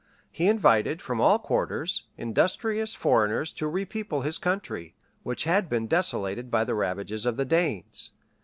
He invited, from all quarters, industrious foreigners to re people his country, which had been desolated by the ravages of the Danes.